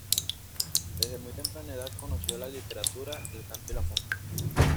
Desde muy temprana edad conoció la literatura, el canto y la música.